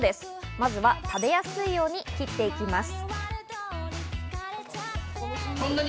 まずは食べやすいように切っていきます。